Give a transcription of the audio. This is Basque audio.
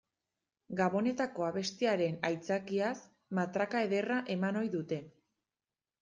Gabonetako abestiaren aitzakiaz matraka ederra eman ohi dute.